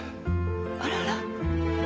あらあら？